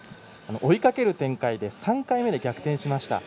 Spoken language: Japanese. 追いかける展開で３回目で逆転しました。